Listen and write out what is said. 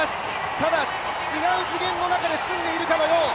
ただ、違う次元の中に住んでいるかのよう。